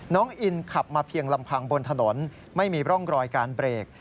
น้องอินขับมาเพียงลำพังบนถนนไม่มีร่องรอยการเบรก